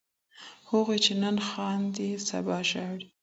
هغوی چې نن خاندي سبا ژاړي.